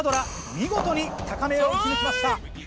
見事に高めを打ち抜きました。